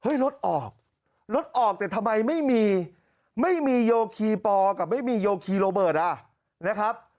รถออกรถออกแต่ทำไมไม่มีไม่มีโยคีปอกับไม่มีโยคีโรเบิร์ตอ่ะนะครับ